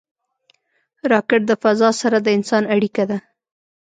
راکټ د فضا سره د انسان اړیکه ده